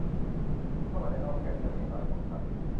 เข้ามาในอ้อมแขนฉัน เด็กน้อยของฉัน